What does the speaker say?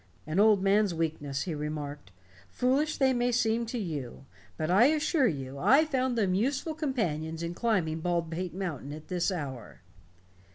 "An old man's weakness," he remarked. "Foolish, they may seem to you. But I assure you I found them useful companions in climbing Baldpate Mountain at this hour."